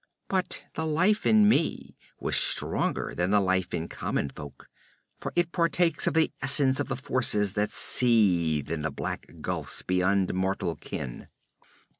'But the life in me was stronger than the life in common folk, for it partakes of the essence of the forces that seethe in the black gulfs beyond mortal ken.